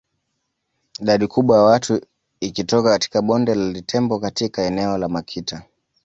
Idadi kubwa ya watu ikitoka katika bonde la Litembo katika eneo la Makita